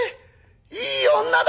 いい女だ！」。